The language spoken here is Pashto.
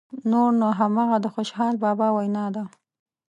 نور نو همغه د خوشحال بابا وینا ده.